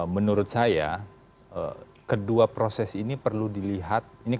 menurut saya kedua proses ini perlu dilihat